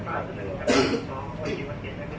สวัสดีครับทุกคน